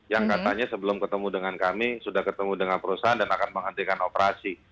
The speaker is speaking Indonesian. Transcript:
yang katanya sebelum ketemu dengan kami sudah ketemu dengan perusahaan dan akan menghentikan operasi